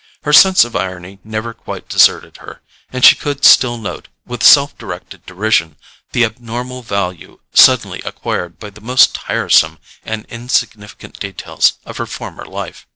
Her sense of irony never quite deserted her, and she could still note, with self directed derision, the abnormal value suddenly acquired by the most tiresome and insignificant details of her former life.